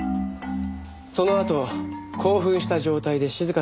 そのあと興奮した状態で静香さんの部屋を訪れた。